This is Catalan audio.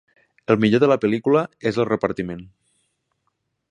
El millor de la pel·lícula és el repartiment.